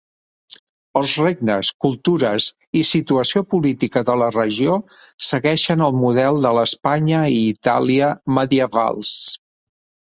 Els regnes, cultures i situació política de la regió segueixen el model de l'Espanya i Itàlia medievals.